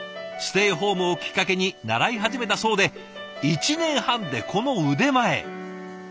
ステイホームをきっかけに習い始めたそうで１年半でこの腕前。